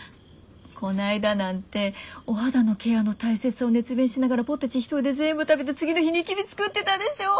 こないだなんてお肌のケアの大切さを熱弁しながらポテチ１人で全部食べて次の日ニキビ作ってたでしょ？